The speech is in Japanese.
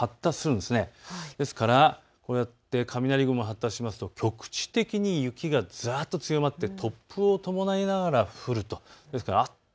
ですから、こうやって雷雲が発達しますと局地的に雪がざっと強まって突風を伴いながら降ると。